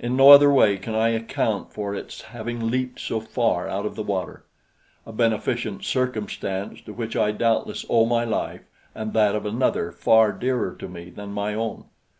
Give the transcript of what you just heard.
In no other way can I account for its having leaped so far out of the water a beneficent circumstance to which I doubtless owe my life, and that of another far dearer to me than my own.